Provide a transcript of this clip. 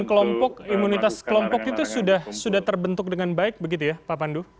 dan imunitas kelompok itu sudah terbentuk dengan baik begitu ya pak pandu